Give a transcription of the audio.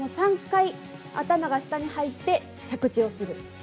３回頭が下に入って着地をする。